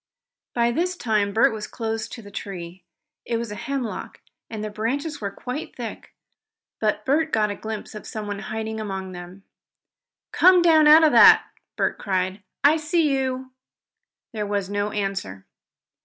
By this time Bert was close to the tree. It was a hemlock, and the branches were quite thick, but Bert got a glimpse of someone hiding among them. "Come down out of that!" Bert cried. "I see you!" There was no answer.